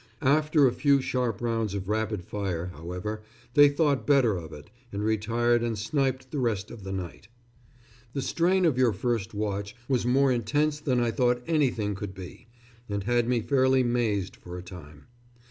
After a few sharp rounds of rapid fire, however, they thought better of it, and retired and sniped the rest of the night. The strain of your first watch was more intense than I thought anything could be, and had me fairly mazed for a time.